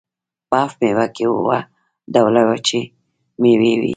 په هفت میوه کې اووه ډوله وچې میوې وي.